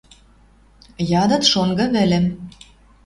Ядыт шонгы вӹлӹм: